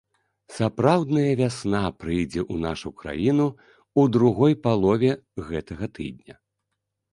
Сапраўдная вясна прыйдзе ў нашу краіну ў другой палове гэтага тыдня.